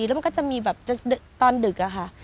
แล้วมันก็จะมีแบบจะตอนดึกอะค่ะ